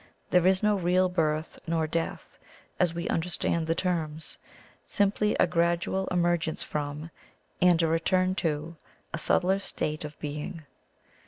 There is no real birth nor death, as we un derstand the terms — simply a gradual emer gence from, and a return to, a subtler state of being.